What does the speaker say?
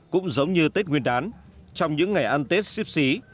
cũng giống như tết nguyên đán trong những ngày ăn tết ship xí